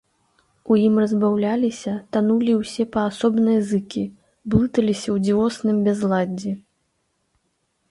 У ім разбаўляліся, танулі ўсе паасобныя зыкі, блыталіся ў дзівосным бязладдзі.